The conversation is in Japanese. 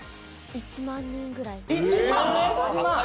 １万人ぐらい。